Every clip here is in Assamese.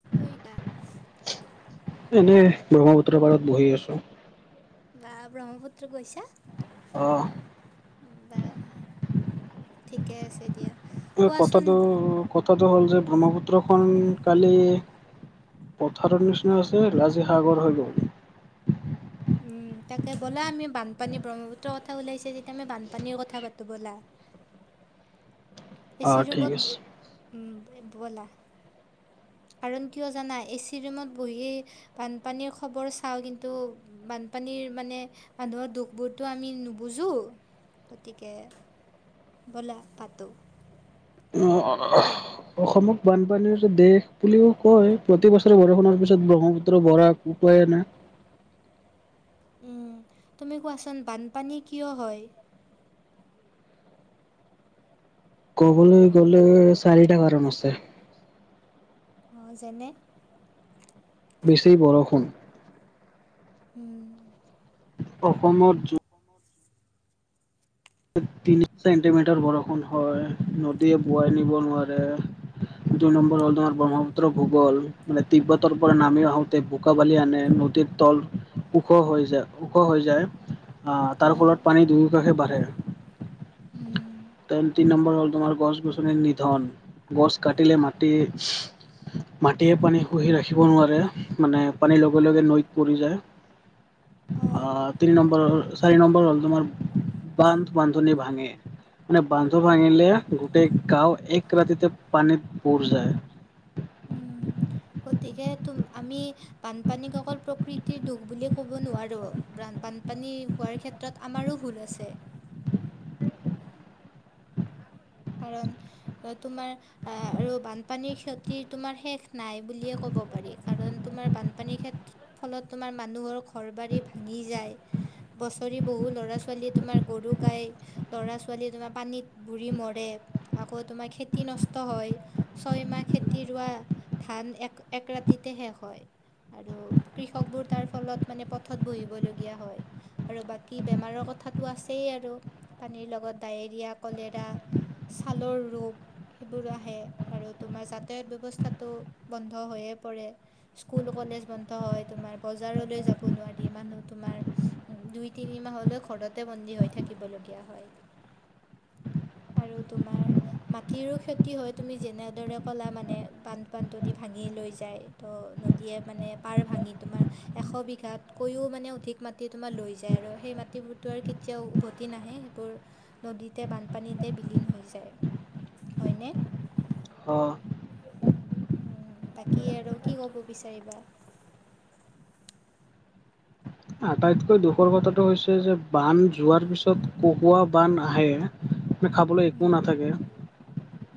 [inaudible] [unintelligible] এনেই ব্ৰহ্মপুত্ৰৰ পাৰত বহি আছোঁ। বা ব্ৰহ্মপুত্ৰ গৈছা? অঁ' বাহ, ঠিকে আছে দিয়া। এ কথাটো- কথাটো হ'ল যে, ব্ৰহ্মপুত্ৰখন কালি পথাৰৰ নিচ- আছিল, আজি সাগৰ হৈ গ'ল। উম' তাকে ব'লা আমি বানপানী ব্ৰহ্মপুত্ৰৰ কথা ওলাইছে যেতিয়া আমি বানপানীৰ কথা পাতোঁ ব'লা। এ চি ৰুমত ব উম এ বলা। কাৰণ কিয় জানা? এ চি ৰুমত বহিয়ে- বানপানীৰ খবৰ চাওঁ, কিন্তু বানপানীৰ মানে- মানুহৰ দুখবোৰতো আমি নুবুজো, গতিকে- বলা পাতো। উ অঅ' অসমক বানপানীৰ যে দেশ বুলিও কয়, প্ৰতি বছৰে বৰষুণৰ পিছত ব্ৰহ্মপুত্ৰ বৰাক- উপায়ে নাই। উম' তুমি কোৱাচোন বানপানী কিয় হয়? ক'বলৈ গ'লে, চাৰিটা কাৰণ আছে। অঁ' যেনে- উম' অসমত যো- অসমত যো- তিনি চেন্টিমিটাৰ বৰষুণ হয়, নদীয়ে বোৱাই নিব নোৱাৰে। এ দুই নম্বৰ হ'ল তোমাৰ ব্ৰহ্মপুত- ত্ৰ ভূগল মানে, ত্বিবতৰ পৰা নামি আহোতে বোকা বালি আনে, নদীৰ তল- ওখ হৈ যায় ওখ হৈ যায়, আঁ তাৰ ফলত পানী দুয়োকাষে বাঢ়ে। দেন তিনি নম্বৰ হ'ল তোমাৰ গছ গছনিৰ নিধন, গছ কাটিলে মাটি- মাটিয়ে পানী শুহি ৰাখিব নোৱাৰে, মানে পানীৰ লগে লগে নৈত পৰি যায়। অঁ' অঁ' তিনি নম্বৰ হল চাৰি নম্বৰ হ'ল তোমাৰ বান্ধ বান্ধনি ভাঙে। মানে বান্ধ ভাঙিলে গোটেই গাঁও এক ৰাতিতে পানীত বুৰ যায়। উম' গতিকে তুম আমি- বানপানীক অকল প্ৰকৃতিৰ দোষ বুলিয়ে ক'ব নোৱাৰো, বান বানপানী হোৱাৰ ক্ষেত- তাত আমাৰো ভুল আছে। কাৰণ, এই তোমাৰ- আৰু বানপানীৰ ক্ষতি তোমাৰ শেষ নাই বুলিয়ে ক'ব পাৰি, কাৰণ তোমাৰ বানপানীৰ ক্ষেত- ফলত তোমাৰ মানুহৰ ঘৰ বাৰী ভাঙি যায়। বছৰি বহু ল'ৰা ছোৱালীয়ে তোমাৰ গৰু গাই ল'ৰা ছোৱালীয়ে তোমাৰ পানীত বুৰি মৰ- ৰে। আকৌ, তোমাৰ খেতি নষ্ট হয়। ছয়মাহ খেতি ৰোৱা- ধান এক-এক ৰাতিতে শেষ হয়। আৰু কৃষকবোৰ তাৰ ফলত মানে পথত বহিবলগীয়া হয়। আৰু বাকী বেমাৰৰ কথাটো আছেই আৰু পানীৰ লগত ডায়েৰিয়া, কলেৰা- ছালৰ ৰোগ। সেইবোৰো আহে, আৰু তোমাৰ যাতায়াত ব্যৱস্থাটো বন্ধ হৈয়ে পৰে। স্কুল কলেজ বন্ধ হয় তোমাৰ বজাৰলৈ যাব নোৱাৰি মানুহ তোমাৰ। দুই তিনি মাহলৈ ঘৰতে বন্দী হৈ থাকিব লগীয়া হয়। আৰু তোমাৰ- মাটিৰো ক্ষতি হয়। তুমি যেনেদৰে ক'লা মানে বানপান দি ভাঙি লৈ যায়। ত' নদীয়ে মানে পাৰ ভাঙি তোমাৰ এশ বিঘাতকৈও মানে অধিক মাটি তোমাৰ লৈ যায় আৰু সেই মাটিবোৰতো আৰু কেতি এতিয়াও উভতি নাহে সেইবোৰ নদীতে বানপানীত। তে বিলীন হৈ যায়। হয়নে? অ। বাকী আৰু কি ক'ব বিচাৰিবা? আটাইতকৈ দুখৰ কথাটো হৈছে যে বান যোৱাৰ পিছত পকোৱা বান আহে, খাবলৈ একো নাথাকে।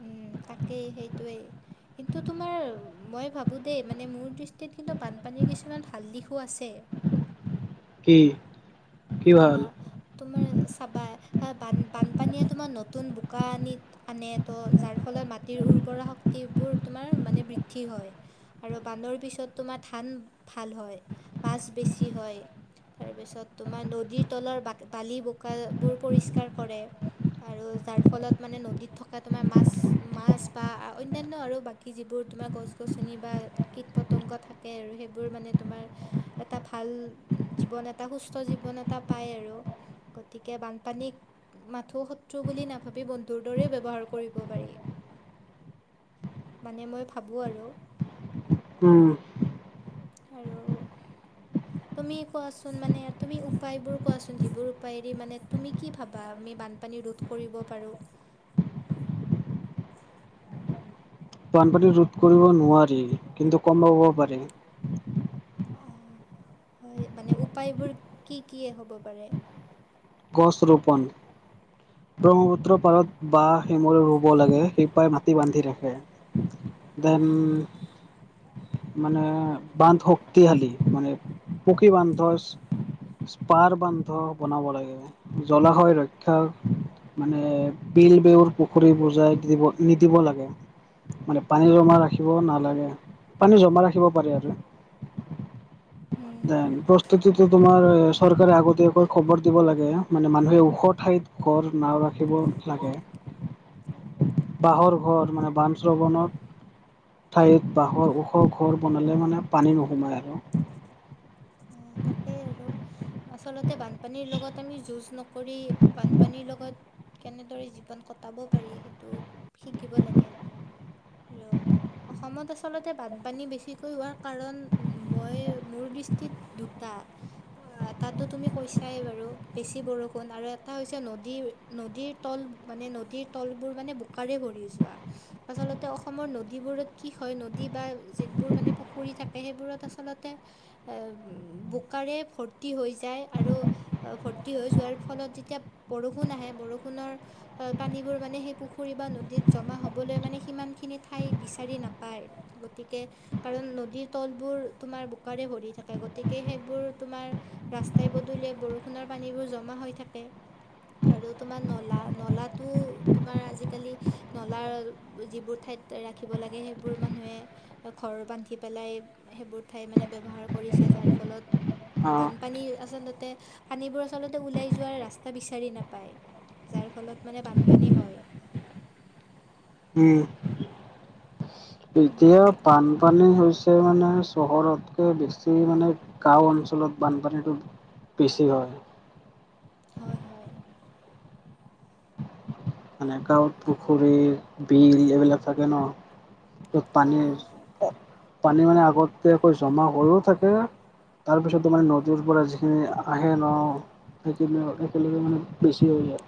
উম' তাকে সেইটোৱে। কিন্তু তোমাৰ মই ভাবোঁ দেই, মানে মোৰ দৃষ্টিত কিন্তু বানপানীৰ কিছুমান ভাল দিশো আছে। কি? তোমাৰ চাবা, বান বানপানীয়ে তোমাৰ নতুন বোকা আনি আনে ত' যাৰ ফলত মাটিৰ উৰ্বৰা শক্তিবোৰ তোমাৰ মানে বৃদ্ধি হয়। আৰু বানৰ পিছত তোমাৰ ধান ভাল হয়, মাছ বেছি হয়। তাৰপিছত তোমাৰ নদীৰ তলৰ বালি বোকাবোৰ পৰিষ্কাৰ কৰে। আৰু যাৰ ফলত মানে নদীত থকা তোমাৰ মাছ মাছ বা অন্যান্য আৰু বাকী যিবোৰ তোমাৰ গছ- গছনি বা কীট- পতংগ থাকে আৰু সেইবোৰ মানে তোমাৰ এটা ভাল জীৱন এটা সুচ জীৱন এটা পায় আৰু, গতিকে বানপানীক মাথো শত্ৰু বুলি নাভাবি, বন্ধুৰ দৰে ব্যৱহাৰ কৰিব পাৰি। মানে মই ভাবোঁ আৰু। উম। আৰু তুমি কোৱাচোন মানে তুমি উপায়বোৰ কোৱাচোন, যিবোৰ উপায়েৰে মানে তুমি কি ভাবা আমি বানপানী ৰোধ কৰিব পাৰোঁ? বানপাানী ৰোধ কৰিব নোৱাৰি। কিন্তু [inaudible] অঁ হয় মানে উপায়বোৰ কি কি হ'ব পাৰে? গছ ৰোপণ। ব্ৰহ্মপুত্ৰ পাৰত বাঁহ শিমলু ৰুব লাগে, সিপাই মাটি বান্ধি থাকে। দেন মানে বান্ধক। পকী হালি, মানে পকী বান্ধ, স্পাৰ বান্ধ বনাব লাগে। জলাশয় ৰক্ষাৰ মানে বিলবোৰ পুখুৰী বোজাই দিব নিদিব লাগে। মানে পানী জমা ৰাখিব নালাগে, পানী জমা ৰাখিব পাৰে আৰু। দেন, প্ৰস্তুতিতো তোমাৰ চৰকাৰে আগতীয়াকৈ খবৰ দিব লাগে। মানে মানুহে ওখ ঠাইত ঘৰ নাও ৰাখিব লাগে। বাঁহৰ ঘৰ মানে বান ঠাইত, বাঁহৰ ওখ ঘৰ বনালে মানে পানী নোসোমায় আৰু। অঁ তাকে আৰু, আচলতে বানপানীৰ লগত আমি যুঁজ নক কৰি বানপানীৰ লগত কেনেদৰে জীৱন কটাব পাৰি, সেইটো শিকিব লাগে। আৰু অসমত আচলতে বানপানী বেছিকৈ হোৱাৰ কাৰণ মই মোৰ দৃ তে দুটা। তাতো তুমি কৈছাই বাৰু, বেছি বৰষুণ আৰু এটা হৈছে নদীৰ নদীৰ তল মানে নদীৰ তলবোৰ মানে বোকাৰে ভৰি যোৱা। আচলতে অসমৰ নদীবোৰত কি হয় নদী বা যিবোৰ মানে পুখুৰী থাক সেইবোৰত আচলতে বোকাৰে ভৰ্তি হৈ যায় আৰু ভৰ্তি হৈ যোৱাৰ ফলত যেতিয়া বৰষুণ আহে বৰষুণৰ পানীবোৰ মানে সেই পুখুৰী বা নদীত জমা হ'বলৈ মানে সিমানখিনি ঠাই বিচাৰি নাপায়। গতিকে কাৰণ নদীৰ তলবোৰ তোমাৰ বোকাৰে ভৰি থাকে। গতিকে সেইবোৰ তোমাৰ ৰাস্তাই পদূলিয়ে বৰষুণৰ পানীবোৰ জমা হৈ থাকে। আৰু তোমাৰ নলা নলাটো তোমাৰ আজিকালি নলাৰ যিবোৰ ঠাইত ৰাখিব লাগে সেইবোৰ মানুহে ঘৰ বান্ধি পেলাই সেইবোৰ ঠাই মানে ব্যৱহাৰ কৰিছে যাৰ ফলত বানপানী আচলতে পানীবোৰ আচলতে ওলাই যোৱাৰ ৰাস্তা বিচাৰি নাপায়, যাৰ ফলত মানে বানপানী হয়। উম। এতিয়া বানপানী হৈছে। ত' মানে চহৰতকে বেছি মানে গাঁও অঞ্চলত বানপানীতো বেছি হয়। হয়, হয়। মানে গাঁৱত পুখুৰীৰ বিল এইবিলাক থাকে ন। ত' পানী পানী মানে আগতেকৈ জমা হৈও থাকে। তাৰপিছত তোমাৰ নদীৰ পৰা যিখিনি আহে ন। সেইখিনি একেলগে মানে বেছি হৈ যায়।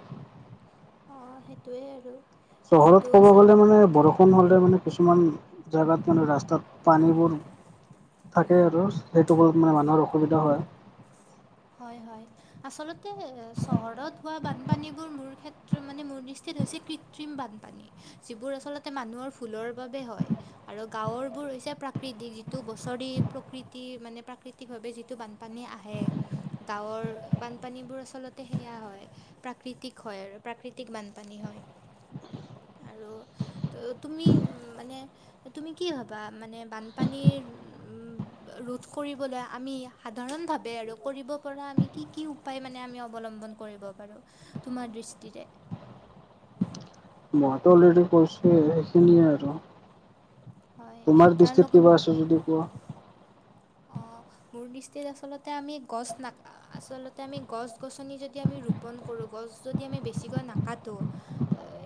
অ', সেইটোৱেই আৰু। চহৰত ক'ব গ'লে মানে বৰষুণ হ'লে মানে কিছুমান জেগাত মানে ৰাস্তাত পানীবোৰ থাকে আৰু সেইটো বৰষুণত মানুহৰ অসুবিধা হয়। হয়, হয়। আচলতে চহৰত হোৱা বানপানীবোৰ মোৰ ক্ষেত্ৰত মানে মোৰ দৃষ্টিত হৈছে কৃত্ৰিম বানপানী। যিবোৰ আচলতে মানুহৰ ভুলৰ বাবে হয়। আৰু গাঁৱৰবোৰ হৈছে প্ৰাকৃতিক যিটো বছৰি প্ৰকৃতি মানে প্ৰাকৃতি কভাৱে যিটো বানপানী আহে। গাঁৱৰ বানপানীবোৰ আচলতে সেয়া হয়। প্ৰাকৃতিক হয় আৰু প্ৰাকৃতিক বানপানী হয় আৰু। ত' তুমি উম মানে তুমি কি ভবা মানে বানপানীৰ ৰোধ কৰিবলৈ আমি সাধাৰণভাৱে আৰু কৰিব পৰা আমি কি কি উপায় মানে আমি অৱলম্বন কৰিব পাৰোঁ তোমাৰ দৃষ্টিৰে? মইতো অলৰেডি কৈছোৱে সেইখিনিয়ে আৰু। তোমাৰ দৃষ্টিত কিবা আছে যদি কোৱা! অ'। মোৰ দৃষ্টিত আচলতে আমি গছ ন আচলতে আমি গছ গছনি যদি আমি ৰূপ পন কৰোঁ গছ যদি আমি বেছিকৈ নাকাটো।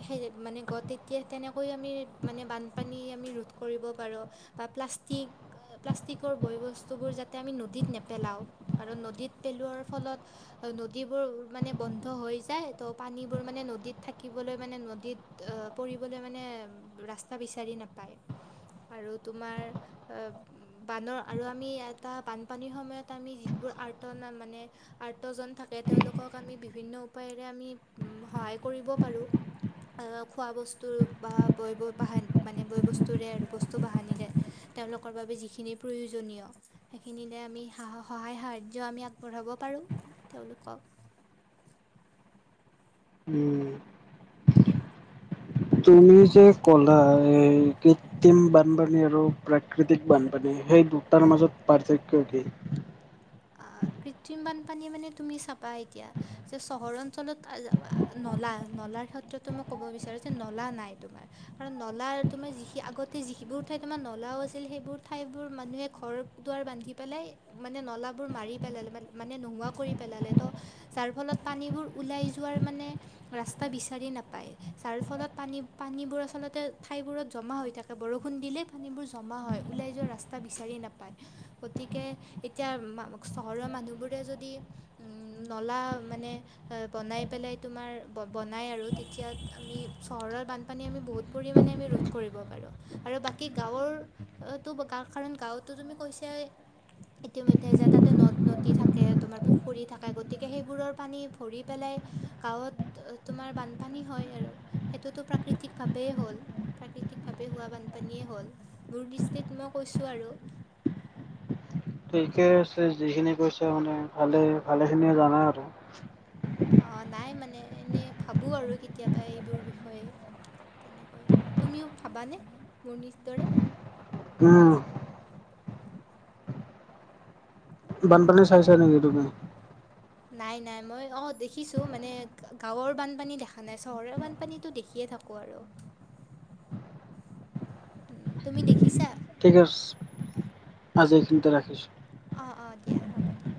সেই মানে গ তেতিয়া তেনেকৈ আমি মানে বানপানী আমি ৰোধ কৰিব পাৰোঁ। বা প্লাষ্টিক প্লাষ্টিকৰ বয় বস্তুবোৰ যাতে আমি নদীত নেপেলাওঁ। কাৰণ নদীত পেলোৱাৰ ফলত নদীবোৰ মানে বন্ধ হৈ যায়। ত' পানীবোৰ মানে নদীত থাকিবলৈ মানে নদীত অ', পৰিবলৈ মানে ৰাস্তা বিচাৰি নাপায়। আৰু তোমাৰ অ', বানৰ আৰু আমি এটা বানপানীৰ সময়ত আমি যিবোৰ আৰ্তনা মানে আৰ্তজন থাকে তেওঁলোকক আমি বিভিন্ন উপায়েৰে আমি সহায় কৰিব পাৰোঁ। আ, খোৱা বস্তু বা বৈ-ব বাহান মানে ব্যয় বস্তুৰে আৰু বস্তু বাহানিৰে তেওঁলোকৰ বাবে যিখিনি প্ৰয়োজনীয় সেইখিনিলে আমি সাহ সহায় সাহাৰ্য আমি আগবঢ়াব পাৰোঁ। তেওঁলোকক উম তুমি যে, ক'লা এই কি কৃত্ৰিম বানপানী আৰু প্ৰাকৃতিক বানপানী সেই দুটাৰ মাজত পাৰ্থক্য কি? আ, কৃত্ৰিম বানপানী মানে তুমি চাবা এতিয়া যে, চহৰ অঞ্চলত নলা নলাৰ ক্ষেত্ৰতো মই ক'ব বিচাৰোঁ যে, নলা নাই তোমাৰ। কাৰণ নলা তোমাৰ যিখি আগতে যিবোৰ ঠাইত তোমাৰ নলাও আছিল সেইবোৰ ঠাইবোৰ মানুহে ঘৰ ঘৰ দুৱাৰ বান্ধি পেলাই মানে নলাবোৰ মাৰি পেলালে মানে নোহোৱা কৰি পেলালে ত' যাৰ ফলত পানীবোৰ ওলাই যোৱাৰ মানে ৰাস্তা বিচাৰি নাপায়। যাৰ ফলত পানী পানীবোৰ আচলতে ঠাইবোৰত জমা হৈ থাকে বৰষুণ দিলে পানীবোৰ জমা হয়, ওলাই যোৱা ৰাস্তা বিচাৰি নাপায় গতিকে এতিয়া চহৰৰ মানুহবোৰে যদি নলা মানে অ', বনাই পেলাই তোমাৰ ব-বনাই আৰু তেতিয়া আমি চহৰৰ বানপানী আমি বহুত পৰিমাণে আমি ৰোধ কৰিব পাৰোঁ আৰু বাকী গাঁৱৰ অ', তো গাওঁ কাৰণ গাঁওতো তুমি কৈছাই ইতিমধ্যে যে, তাত তাতে নদ নদী থাকে তোমাৰ পুখুৰী থাকে গতিকে সেইবোৰৰ পানী ভৰি পেলাই গাঁৱত তোমাৰ বানপানী হয়, আৰু। সেইটোতো প্ৰাকৃতিকভাৱেই হ'ল প্ৰাকৃতিকভাৱে হোৱা বানপানীয়েই হ'ল। মোৰ দৃষ্টিত মই কৈছোঁ আৰু। ঠিকেই আছে যিখিনি কৈছা মানে ভালে ভালেখিনিয়ে জানা আৰু অ', নাই মানে এনেই ভাবোঁ আৰু কেতিয়াবা এইবোৰ বিষয়ে। তেনেকৈ তুমিও ভাবানে মোৰ নিজ দৰে? উম বানপানী চাইছা নেকি তুমি? নাই, নাই মই অ', দেখিছোঁ মানে গা-গাঁৱৰ বানপানী দেখা নাই চহৰৰ বানপানীতো দেখিয়ে থাক কো আৰু। উম, তুমি দেখিছা? ঠিক আছে, আজি এইখিনতে ৰাখিছোঁ। অ', অ', দিয়া হ'ব দিয়া।